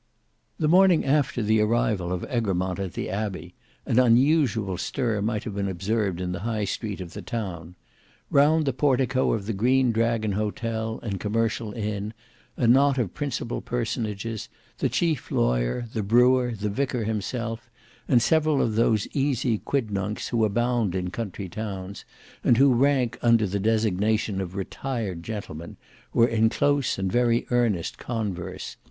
The morning after the arrival of Egremont at the Abbey, an unusual stir might have been observed in the high Street of the town. Round the portico of the Green Dragon hotel and commercial inn, a knot of principal personages, the chief lawyer, the brewer, the vicar himself, and several of those easy quidnuncs who abound in country towns, and who rank under the designation of retired gentlemen, were in close and very earnest converse.